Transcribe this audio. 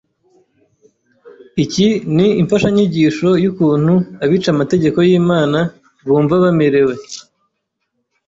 Iki ni imfashanyigisho y’ukuntu abica amategeko y’Imana bumva bamerewe